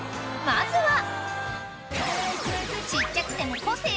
［まずは］